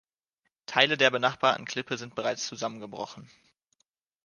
Teile der benachbarten Klippe sind bereits zusammengebrochen.